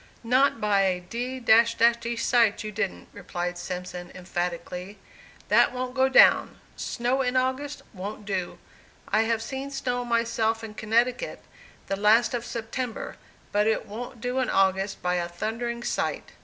"Not by a d d sight, you didn't," replied Simpson, emphatically. "That wont go down. Snow in August wont do. I have seen snow myself in Connecticut, the last of September, but it wont do in August, by a thundering sight."